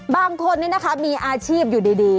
บางคนนี้นะคะมีอาชีพอยู่ดี